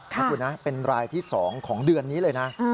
นะคุณนะเป็นรายที่๒ของเดือนนี้เลยนะ